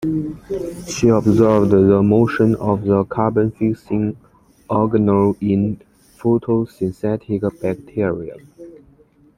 She observed the motion of the carbon fixing organelles in photosynthetic bacteria.